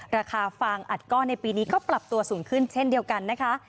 ฟางอัดก้อนในปีนี้ก็ปรับตัวสูงขึ้นเช่นเดียวกันนะคะ